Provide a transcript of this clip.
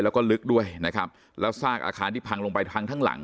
แล้วก็ลึกด้วยนะครับแล้วซากอาคารที่พังลงไปพังทั้งหลัง